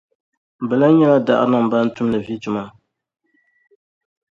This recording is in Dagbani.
Bɛ lan nyɛla daɣirinim’ bɛn tumdi vi tuma.